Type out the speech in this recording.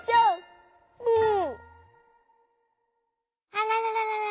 あららら。